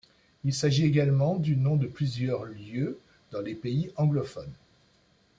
Il s'agit également du nom de plusieurs lieux dans les pays anglophones.